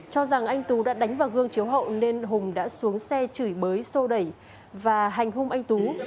cho rằng anh tú đã đánh vào gương chiếu hậu nên hùng đã xuống xe chửi bới sô đẩy và hành hung anh tú